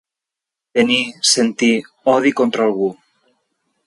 Tenir, sentir, odi contra algú.